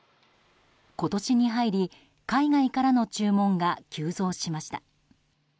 今年に入り、海外からの注文が急増しました。